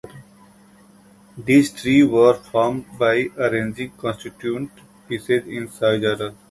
These trees were formed by arranging constituent pieces in size order.